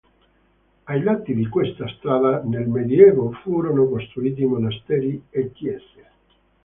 Ai lati di questa strada nel medioevo furono costruiti monasteri e chiese.